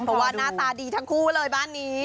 เพราะว่าหน้าตาดีทั้งคู่เลยบ้านนี้